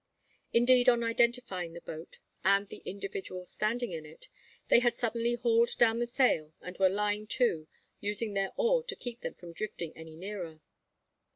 Indeed, on identifying the boat and the individual standing in it, they had suddenly hauled down the sail and were lying to, using their oar to keep them from drifting any nearer.